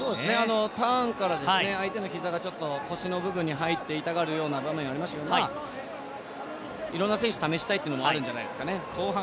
ターンから相手の膝が腰の部分に入って痛がるような場面がありましたけれども、いろんな選手を試したいというのがあるんじゃないですかね。